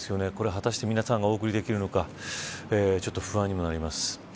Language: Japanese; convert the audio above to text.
果たして、皆さんがお送りできるのかちょっと不安にもなります。